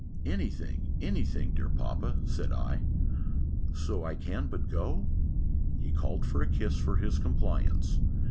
"Any thing, any thing, dear papa," said I: "so I can but go!" He called for a kiss, for his compliance.